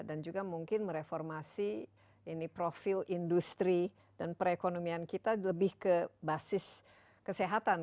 dan juga mungkin mereformasi ini profil industri dan perekonomian kita lebih ke basis kesehatan